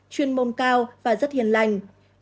chuyên môn cao và rất hiền lành